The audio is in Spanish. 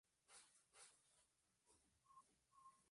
Es el capitán de su equipo y de la selección de fútbol de Escocia.